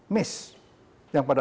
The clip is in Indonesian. miss yang pada